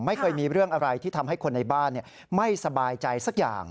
ไม่เคยมีเรื่องอะไรที่ทำให้คนในบ้านไม่สบายใจสักอย่าง